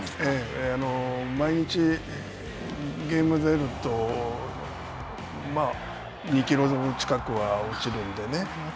毎日、ゲームに出ると、２キロ近くは落ちるんでね。